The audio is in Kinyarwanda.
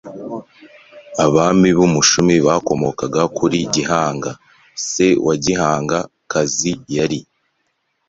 Abami b'Umushumi bakomoka kuri Gihanga. Se wa Gihanga, Kazi, yari